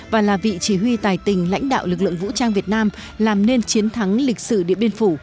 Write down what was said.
và là vị chỉ huy tài tình lãnh đạo lực lượng vũ trang việt nam làm nên chiến thắng lịch sử điện biên phủ